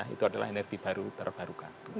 itu adalah energi baru terbarukan